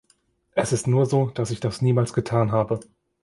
Es ist nur so, dass ich das niemals getan habe.